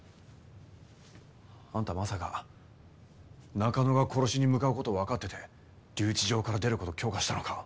あんたまさか中野が殺しに向かう事わかってて留置場から出る事を許可したのか？